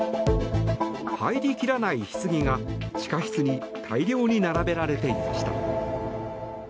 入りきらないひつぎが、地下室に大量に並べられていました。